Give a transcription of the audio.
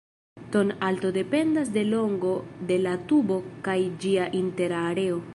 Ton-alto dependas de longo de la tubo kaj ĝia intera areo.